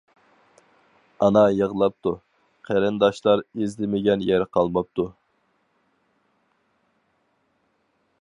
ئانا يىغلاپتۇ، قېرىنداشلار ئىزدىمىگەن يەر قالماپتۇ.